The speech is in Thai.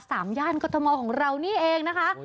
ย่านกรทมของเรานี่เองนะคะ